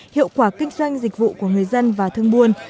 hiệu quả kinh doanh dịch vụ của người dân và thương buôn